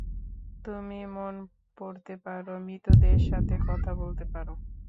তুমি মন পড়তে পারো, মৃতদের সাথে কথা বলতে পারো।